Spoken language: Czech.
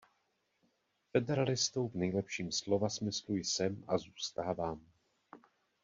Federalistou v nejlepším slova smyslu jsem a zůstávám.